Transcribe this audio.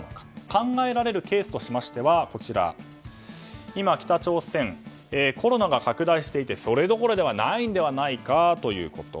考えられるケースとしましては今、北朝鮮はコロナが拡大していてそれどころではないのではないかということ。